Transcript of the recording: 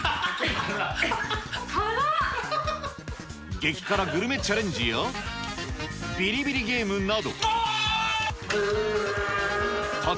激辛グルメチャレンジやビリビリゲームなど。